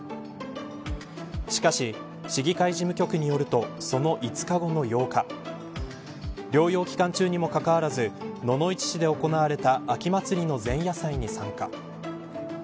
しかし市議会事務局によるとその５日後の８日療養期間中にもかかわらず野々市市で行われた秋祭りの前夜祭に参加。